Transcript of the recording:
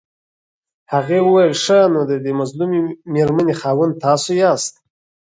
هغې وويل ښه نو ددې مظلومې مېرمنې خاوند تاسو ياست.